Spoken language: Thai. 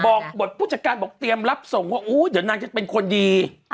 บทผู้จัดการบอกเตรียมรับส่งว่าเดี๋ยวนางจะเป็นคนดี